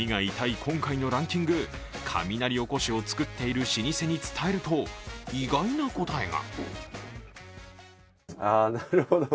今回のランキング、雷おこしを作っている老舗に伝えると、意外な答えが。